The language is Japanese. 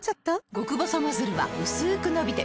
極細ノズルはうすく伸びて